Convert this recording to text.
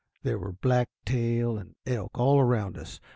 There were black tail and elk all around us.